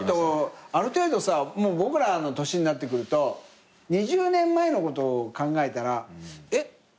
ある程度さ僕らの年になってくると２０年前のことを考えたらえっ？